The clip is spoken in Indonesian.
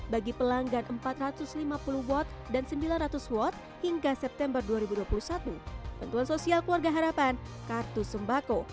bagi pelanggan empat ratus lima puluh watt dan sembilan ratus watt hingga september dua ribu dua puluh satu bantuan sosial keluarga harapan kartu sembako